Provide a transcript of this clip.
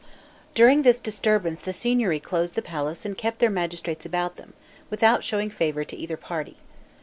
During this disturbance the Signory closed the palace and kept their magistrates about them, without showing favor to either party.